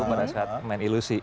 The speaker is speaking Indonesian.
pada saat main ilusi